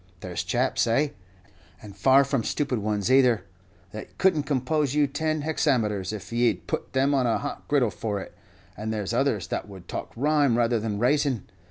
There's chaps, ay, and far from stupid ones either, that could n't compose you ten hexameters if ye'd put them on a hot griddle for it; and there's others that would talk rhyme rather than rayson!